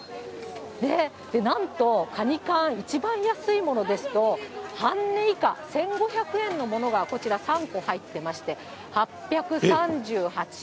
なんとカニ缶、一番安いものですと、半値以下、１５００円のものが、こちら３個入ってまして、３缶パックで？